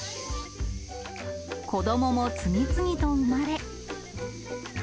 子どもも次々と生まれ。